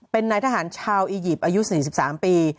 เป็นนายทหารชาวอียิปต์อายุ๔๓ปี